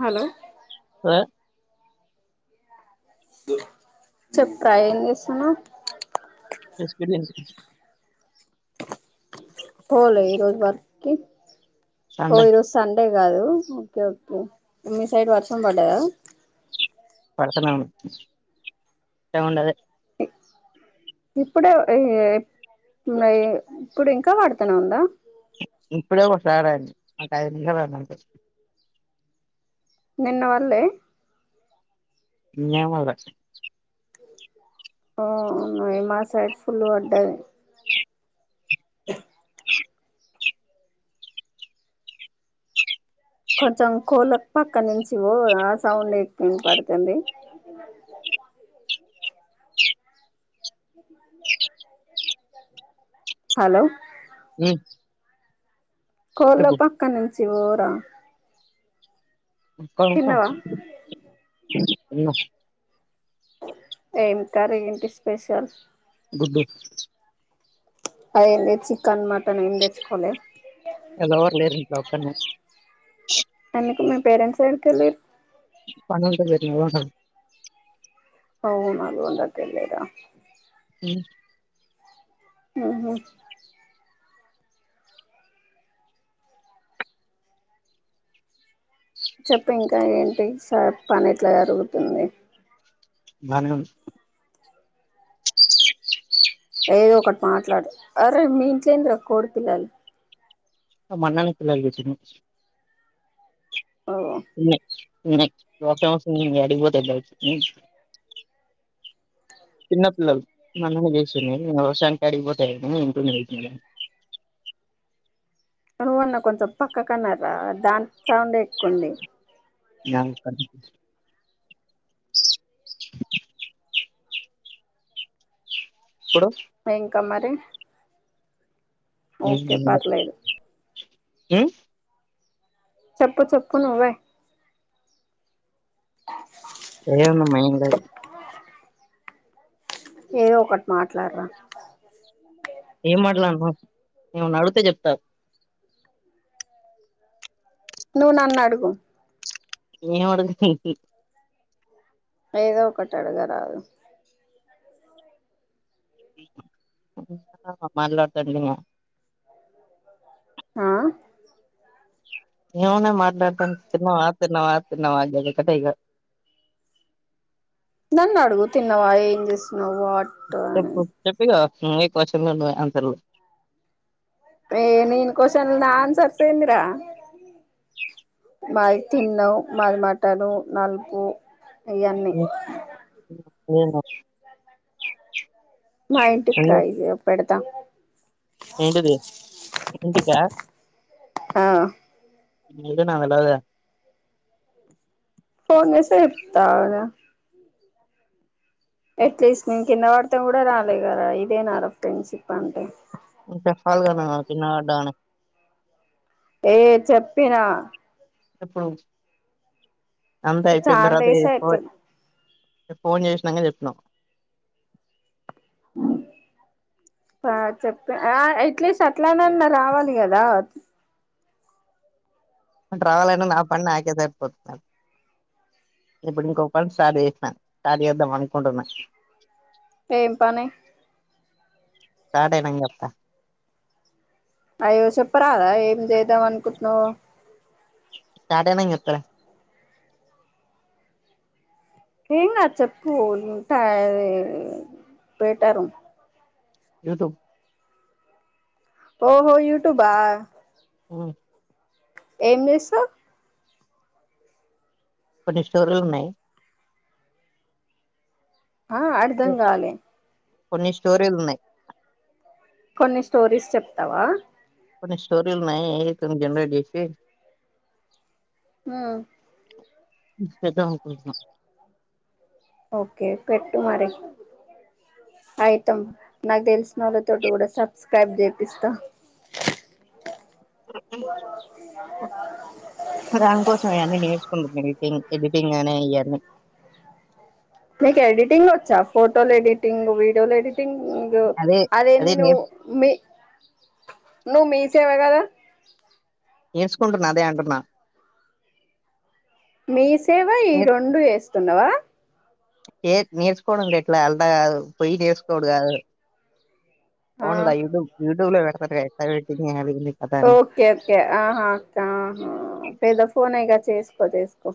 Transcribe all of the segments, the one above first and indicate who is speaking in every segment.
Speaker 1: hello
Speaker 2: ఆ
Speaker 1: చెప్పు రా ఏం చేస్తున్నావ్
Speaker 2: ఎక్స్పీరియన్స్
Speaker 1: పోలే ఈరోజు వర్క్ కి ఓ ఈరోజు సండే కాదు ఓకే ఓకే మీ సైడ్ వర్షం పడ్డాయా
Speaker 2: నడుస్తూనే ఉన్నాయ్ ఎంఉండాది
Speaker 1: ఇప్పుడే ఈ ఈ ఇప్పుడు ఇంకా వాడుతనే ఉందా
Speaker 2: ఇప్పుడే కొషడ అయింది ఒక ఐదు నిమిషాలు అంతే
Speaker 1: నిన్న వాళ్ళే
Speaker 2: నేమోలే
Speaker 1: ఓ న మా సైడ్ ఫుల్ పడ్డది
Speaker 2: చె
Speaker 1: కొంచెం కోల పక్క నుంచి పో ఆ సౌండ్ ఎక్కు పడుతుంది హలో
Speaker 2: ఉ
Speaker 1: కోళ పక్క నుంచి పోరా
Speaker 2: పక్కకొస్తా
Speaker 1: తిన్నవా
Speaker 2: ఉన్న
Speaker 1: ఏం కర్రీ ఏంటి స్పెషల్
Speaker 2: గుడ్డు
Speaker 1: అంది ఏంది చికెన్ మటన్ ఎం తెచ్చుకోలేి
Speaker 2: ఈయాల ఎవరు లేరు ఇంట్లో ఒక్కడినే
Speaker 1: ఎందుకు మీ పేరెంట్స్ ఎడికి వెళ్లిరు
Speaker 2: పని ఉంటే పోయినారు అన్న
Speaker 1: అవు నాగు ఉండదు తెలీదా
Speaker 2: ఉ
Speaker 1: ఉహు చెప్ప ఇంకా ఏంటి సార్ పని ఎట్లా జరుగుతుంది
Speaker 2: బాణం
Speaker 1: ఏదో ఒకటి మాట్లాడు అరే మీ ఇంట్లో ఏంది రా కోడి పిల్లలు
Speaker 2: మొన్ననే పిల్లలు పుట్టినయి
Speaker 1: ఓ
Speaker 2: ఉన్నాయి ఉన్నాయి వర్షం వస్తుంటే ఇంగ యాటికి పోతాయి బయటికి
Speaker 1: అ
Speaker 2: చిన్నపిల్లలు మొన్ననే చేసున్నాయి ఇంకా వర్షానికి యాటిపోతే అంటున్నా అంటున్న వీటిని ఈగ
Speaker 1: నువ్వన్నా కొంచెం పక్క కన్న రా దాన్ సౌండే ఎక్కువ ఉంది
Speaker 2: దానికని ఇప్పుడు
Speaker 1: ఇంకా మరి ఓకే పర్లేదు
Speaker 2: ఉ
Speaker 1: చప్ప్పూ చప్ప్పూ నువ్వే
Speaker 2: ఏముంది మీన్ లే
Speaker 1: ఏదో ఒకటి మాట్లాడురా
Speaker 2: ఏం మాట్లాను ఏమన్నా అడుగుతే చెప్తా
Speaker 1: నువ్వు నన్ను అడుగు
Speaker 2: ఏం అడుగు
Speaker 1: ఏదో ఒకటి అడుగ రాదు
Speaker 2: మలడు తడి [unintelligible]
Speaker 1: ఆ
Speaker 2: ఏమున్నాయి మాట్లాడతాను తిన్నావా తిన్నావా తిన్నావా ఎందు కట్టిగా
Speaker 1: నన్ను అడుగు తిన్నావా ఏం చేస్తున్నావు్ వాట్ అని
Speaker 2: సోది క్యూస్షన్స్ అంటారు
Speaker 1: ఏ నేను క్వశ్చన్ నా ఆన్సర్స్ ఏందిరా మాది తిన్నావు మాది మటను నలుపు ఆయన్ని
Speaker 2: ఏమొ
Speaker 1: మా ఇంటికి రాయిది పెడతా
Speaker 2: ఏంటిది ఏంటికా
Speaker 1: ఆ
Speaker 2: ఏంటో నాకు తెలవది
Speaker 1: ఫోన్ చెప్తా కదా ఎట్లీస్ట్ నేను కింద పడతేం కూడా రాలే కరాా ఇదే నాాల ఫ్రెండ్షిప్ అంటే
Speaker 2: రాను
Speaker 1: ఏ చెప్పినా
Speaker 2: ఇప్పుడు అంత అయిపోయినా
Speaker 1: చాలా
Speaker 2: తర్వాత
Speaker 1: డేస్
Speaker 2: ఎపో
Speaker 1: అయితుంది
Speaker 2: ఫోన్ చేసినంగా చెప్పినవ్
Speaker 1: ఆ చెప్పతే ఆ ఎట్లీస్ట్ అట్లానన్న రావాలి కదా
Speaker 2: రావాలంట నా పనిని నాకే సరిపోతున్నా ఇప్పుడు ఇంకొక సార్ చేసినను సార్ చేద్దాం అనుకుంటున్నాను
Speaker 1: ఎం పని
Speaker 2: స్టార్ట్ అయినాక చెప్తా
Speaker 1: అయ్యో చెప్పరాదా ఏం చేద్దాం అనుకుంటున్నావో
Speaker 2: స్టార్ట్ అయినంక చెప్తాలే
Speaker 1: ఏం కాదు చెప్పు బెటర్
Speaker 2: [unintelligible]
Speaker 1: ఓహో యూట్యూబ
Speaker 2: ఉ
Speaker 1: ఏం చేస్తావ్
Speaker 2: కొన్ని స్టోర్లు ఉన్నాయి
Speaker 1: ఆ అర్ధం కాలలే
Speaker 2: కొన్ని స్టోరీలు ఉన్నాయి
Speaker 1: కొన్ని స్టోరీస్ చెప్తావా
Speaker 2: కొన్ని స్టోరీ లు వున్నాయ్ ఏఐ తోని జనరెట్ చేసి
Speaker 1: ఉ
Speaker 2: చేద్దాం అనుకుంటున్నా
Speaker 1: ఓకే పెట్టు మరి అయితమ్ నాకు తెలిసిన వాళ్ళతోనీ కూడా సబ్స్క్రైబ్ చేపిస్తా
Speaker 2: దని కోసం అవన్నీ నేర్చుకుంటున్నా ఎదిటింగ్ అనే ఈయన్ని
Speaker 1: మీకు ఎడిటింగ్ వచ్చా ఫోటోలు ఎడిటింగ్ వీడియోలు ఎడిటింగ్
Speaker 2: అదే అదే
Speaker 1: అదేంది నువ్వు
Speaker 2: నేర్
Speaker 1: మీ నువ్వు మీ చే వగర
Speaker 2: నేర్చుకుంటున్నా అదే అంటున్నా
Speaker 1: మీ సేవ ఈ రెండు ఎస్తున్నావా
Speaker 2: ఏ నేర్చుకోవడం ర ఎట్లా అంత కాదు పోయి నేర్చుకోవుడు కాదు ఫోన్ల
Speaker 1: ఆ
Speaker 2: యూట్యూబ్ యూట్యూబ్లో పెడతాను ఎత పెట్టింది
Speaker 1: ఓకే ఓకే ఆహా అహ పెద ఫోనే గా చేసి ప్పదెసుకో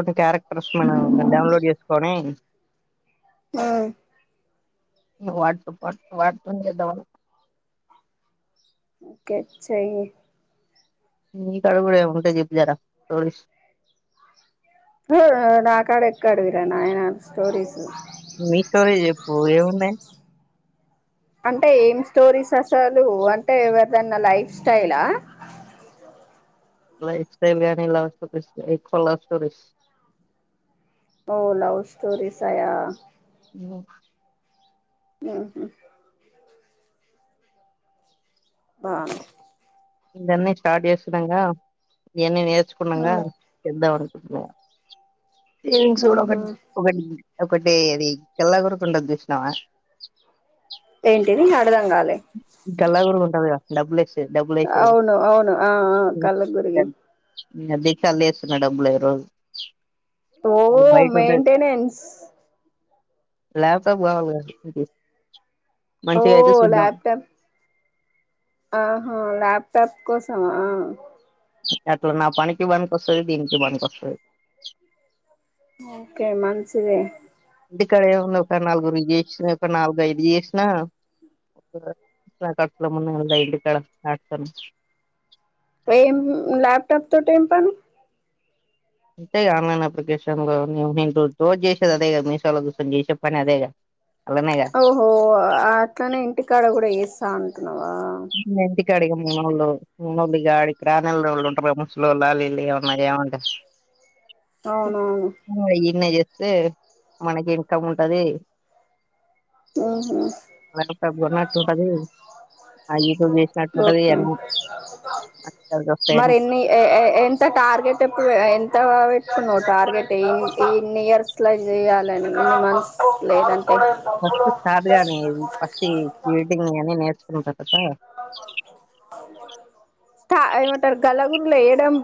Speaker 2: ఒక క్యారెక్టర్స్ మనం డౌన్లోడ్ చేసుకొని
Speaker 1: ఉ
Speaker 2: నువు వాడుతో పనుకో వానితోనే చేద్దామని
Speaker 1: ఓకే చేయి
Speaker 2: నీ కాడ కూడ ఏముంటాయి జప్పు జర స్టోరీస్
Speaker 1: నా కాడ ఎక్కడవిరా నాయన స్టోరీస్
Speaker 2: ని స్టోరీ చెప్పు ఏమున్నాయ్
Speaker 1: అంటే ఏం స్టోరీస్ రాసేవాళ్ళు అంటే ఎవరిదైనా లైఫ్ స్టయిల
Speaker 2: లైఫ్ స్టైల్ కానీ లవ్ స్టోరీస్ కాన్ ఎక్కువ లవ్ స్టోరీస్
Speaker 1: ఓ లవ్ స్టోరీస్ ఆ
Speaker 2: ఉమ్
Speaker 1: ఆహా బా
Speaker 2: ఇందనే స్టార్ట్ చేసినంగా ఇవన్నీ నేర్చుకున్నాంగా
Speaker 1: ఉమ్
Speaker 2: చేద్దామనీ ఆ ఏం
Speaker 1: ఉహు
Speaker 2: చూడకండి ఒకటి ఒకటి అది కెల్లా గోరకొండది చూసినావా
Speaker 1: ఏంటిది అర్థంగాలే
Speaker 2: గల్లా గురుగు ఉంటది గా డబ్బుల్ ఎక్స్
Speaker 1: అవును అవును ఆ ఆ కళ్ళ గురిగి
Speaker 2: ఉమ్ అదే కళ్లేస్తున డబ్బులు రోజు
Speaker 1: ఓ ఓ మెయింటెనెన్స్
Speaker 2: లాప్టాప్ కావాలా కదా [unintelligible]
Speaker 1: ఓ
Speaker 2: మంచిగా అయితే చూద్దామని
Speaker 1: ల్యాప్టాప్ ఆహా లాప్టాప్ కోసమా
Speaker 2: అట్లా నాపనికి పనికోస్తాది దీనికి పనికోస్తది
Speaker 1: ఓకే మంచిదే
Speaker 2: ఇంటికాడే ఉన్న ఒక నాలుగురు చేసిన ఒక నాలుగు ఐదు చేసిన ఆ లాప్టాప్ [unintelligible] ఇంటి కాడ [unintelligible]
Speaker 1: ఏం లాప్టాప్ తోటి ఏం పని
Speaker 2: అంతే గా ఆన్లైన్ అప్లికేషన్ లో అని రోజు చేసేది అదే కదా మీసోలో కూసొని చేసే పని అదేగా అలానేగా
Speaker 1: ఓహో అట్లనే ఇంటికాడ కూడా చేస్తా అంటవ్
Speaker 2: [unintelligible] కాడిగ మానోళ్ళు మునోళ్ళడికి రా నోళ్ళు ఉంటరు కదా ముసలోళ్ళు ఆళ్ళు వీళ్లు ఏమన్న ఏమంటె
Speaker 1: అవునవును
Speaker 2: ఈన్నే చే స్తే మనకి ఇన్కమ్ ఉంటది
Speaker 1: ఉహు
Speaker 2: అంటే పద్దనే వచ్చేపటికి
Speaker 1: ఓకే మరి
Speaker 2: వస్తాయని
Speaker 1: ఎన్ని ఏ ఏ ఎంత టార్గెట్ప్పుడు ఎంత పెట్టుకున్నావు టార్గెట్ ఇ ఇన్ని ఇయర్స్లా చేయాలని ఇన్ని మంత్స్ లేదంటే
Speaker 2: ఫస్ట్ స్టార్ట్ గానీ ఫస్టింగ్ ఎడిటింగ్ అని నేర్చుకుంటా
Speaker 1: స్ట ఎంమంటరు గల్ ఊర్లో వెయడం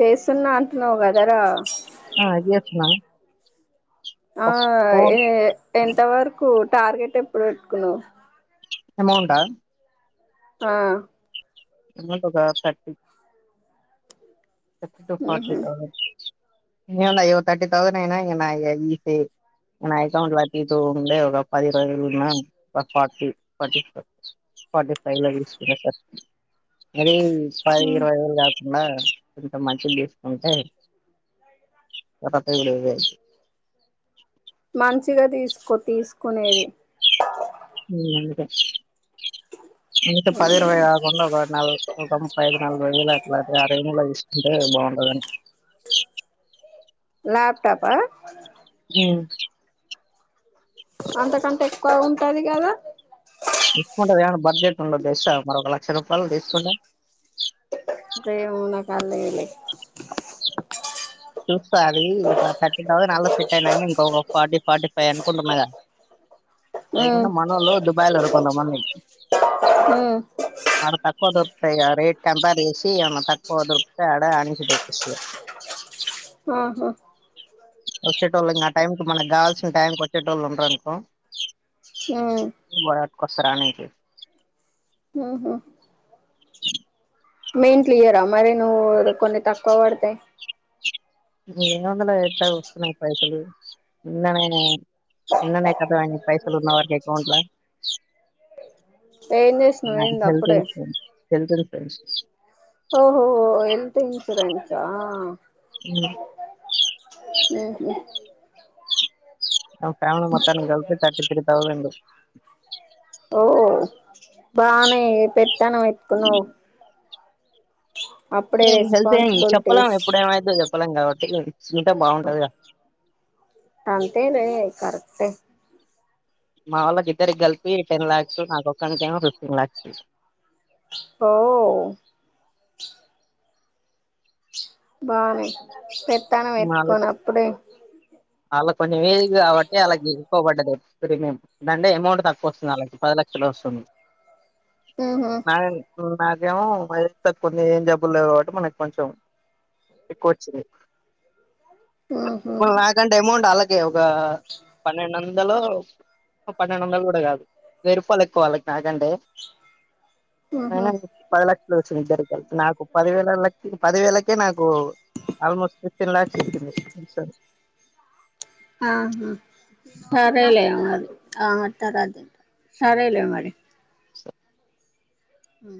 Speaker 1: చేస్తున్నా అంటున్నావు కదరా
Speaker 2: అదే చెప్తున
Speaker 1: ఆ ఏ ఎంత వరకు టార్గెట్ ఎప్పుడు పెట్టుకునవ్
Speaker 2: అమౌంటా
Speaker 1: ఆ
Speaker 2: అమౌంట్ ఒక థర్టీ తక్కువ్ తక్కువ ఫార్టీ
Speaker 1: ఉహు
Speaker 2: థౌసండ్ ఏమ్లా అయ్యో థర్టీ థౌసండ్ అయినా ఇంగా నాయి ఏస నా అకౌంట్ లో ర్టీ టూ ఉండే ఒక పది రోజలున్నా ఒక ఫార్టీ ఫార్టీ ఫార్టీ ఫైవ్ లో తీస్కు అదీ పద్ ఇరవై వేలు కాకుండా కొంత మనుషుల్ తీసుకుంటే లేకపోతే ఈడే [unintelligible]
Speaker 1: మంచిగా తీసుకో తీసుకునేది
Speaker 2: హుమ్మ్ అందుకే
Speaker 1: [inaudible]
Speaker 2: ఇంత పది ఇరవై కాకుండా ఒక నాలుగు ఒక ముప్పై ఐదు నలభై వేలు అట్లా అయితే అరేంజ్ లో తెస్కుంటా అంటే బాగుంటదని
Speaker 1: ల్యాప్టాపా
Speaker 2: హ్మ్
Speaker 1: అంతకంటే ఎక్కువ ఉంటది కదా
Speaker 2: తీసుకుంటది కానీ బడ్జెట్ ఉండదు తెలుసా మరి ఒక లక్ష రూపాయల్ తీసుకుంట
Speaker 1: ఇంకేమునా కార్లో ఏయ్ లే
Speaker 2: చూస్తా అది ఒక థర్టీన్ [unintelligible] సెట్ అయినాక ఇంక ఫార్టీ ఫార్టీ ఫైవ్ అనుకుంటున్నాగ
Speaker 1: [inaudible]
Speaker 2: లేకున్నా
Speaker 1: ఉమ్
Speaker 2: మనోళ్లు దుబాయ్ లో [unintelligible] కొంత మంది
Speaker 1: ఉమ్
Speaker 2: ఆడ తక్కువ దొర్ ఫైగా ఆ రేట్ కంపేర్ చేసి అన్న తక్కువ దొరికితే ఆడ [unintelligible]
Speaker 1: ఆహా
Speaker 2: వచ్చేటోళ్ళు ఇం ఆ టైంకి మనకు కావాల్సిన టైంకి వచ్చేటోళ్లు ఉండారు అనుకో
Speaker 1: హ్మ్
Speaker 2: కొసరానికి
Speaker 1: హు హ్మ్ మెయిన్ క్లియర్ మరి నువ్వు కొన్ని తక్కువ పడతయి
Speaker 2: నేన్ వందల ఎట్ వస్తున్నాయి పైసలు [unintelligible] నిన్ననే కద పైసలుగున్నాకి అకౌంట్ల
Speaker 1: ఏం చేసినవ్ ఏంది
Speaker 2: హెల్త్
Speaker 1: అప్పుడే
Speaker 2: ఇన్సూరెన్స్ హెల్త్ ఇన్సూరెన్స్
Speaker 1: ఓహో హెల్త్ ఇన్సూరెన్సా హ్మ్ హు
Speaker 2: మా ఫ్యామిలీ మొత్తానికి కలిపి తర్టీ త్రీ తౌసండ్
Speaker 1: ఓ బానే పెట్టాను ఎతుకున్నావ్
Speaker 2: [unintelligible] చెప్పలేం
Speaker 1: రెస్పాన్సిబిలిటీస్
Speaker 2: ఎప్పుడు ఏమవుద్దో చెప్పలేం కాబట్టి ఇంటే బాగుంటదిగ
Speaker 1: అంతేలే కరక్టే
Speaker 2: మా వాళ్ళకి ఇద్దరికి కలిపి టెన్ లాక్స్ నాక్కు ఒక్కణికేమో ఫిఫ్టీన్ లాక్స్
Speaker 1: ఓ బానే పెత్తనం యెతుకోనప్పుడే
Speaker 2: ఆళ్ళకి కొంచెం ఏజ్కి కాబట్టే ఆళ్ళకి ఎక్కువ బడ్డది ప్రీమియం దాంట్లో ఎమౌంట్ తక్కువ వస్తుంది ఆళ్ళకి పది లక్షలే వస్తుంది
Speaker 1: ఉహు
Speaker 2: [unintelligible] నాకేమో ఏజ్ తకువుంది ఏం జబ్బులు లేవు కాబట్టి మనకు కొంచెం ఎక్కువ వచ్చింది
Speaker 1: ఉహు
Speaker 2: ఇప్పుడు నాకంటే ఎమౌంట్ ఆళకే ఒక్క పన్నెండొందలు పన్నెండొందలు కూడా కాదు వేయరుపాలు ఎక్కువ వాళ్ళకి నాకంటే
Speaker 1: ఉహు
Speaker 2: అయినా పది లక్షలే వచ్చింది ఇద్దరికి కలిపి పదివేలలకి పదివేలకే నాకు ఆల్మోస్ట్ టెన్ లాక్స్ వొచ్చింది ఇన్సూరెన్స్
Speaker 1: ఆహా సరేలే మరి సరేలే మరి ఆ